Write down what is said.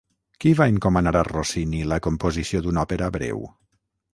Qui va encomanar a Rossini la composició d'una òpera breu?